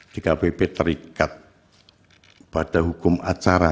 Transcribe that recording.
di kpp terikat pada hukum acara